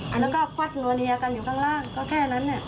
แล้วก็กวัดหนัวเนียกันอยู่ข้างล่างก็แค่นั้น